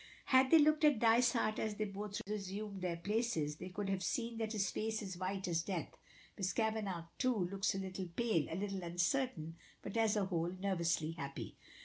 Had they looked at Dysart as they both resumed their places, they could have seen that his face is white as death. Miss Kavanagh, too, looks a little pale, a little uncertain, but as a whole nervously happy.